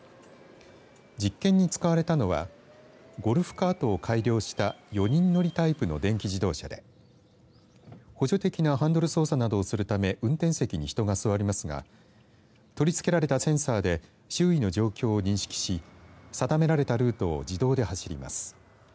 実験に使われたのはゴルフカートを改良した４人乗りタイプの電気自動車で補助的なハンドル操作などをするため運転席に人が座りますが取り付けられたセンサーで周囲の状況を認識し定められたルートを自動で走ります。